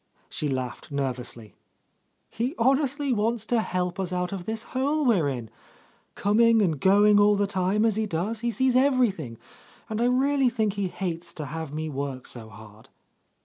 She laughed nervously. "He honestly wants to help us out of the hole we're in. Coming and going all the time, as he does, he sees everything, and I really think he hates to have me work so hard."